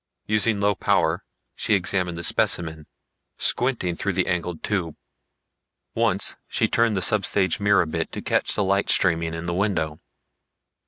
Using low power, she examined the specimen, squinting through the angled tube. Once she turned the sub stage mirror a bit to catch the light streaming in the window.